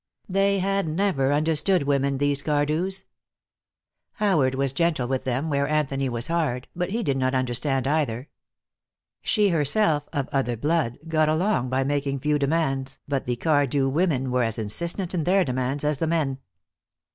They had never understood women, these Cardews. Howard was gentle with them where Anthony was hard, but he did not understand, either. She herself, of other blood, got along by making few demands, but the Cardew women were as insistent in their demands as the men.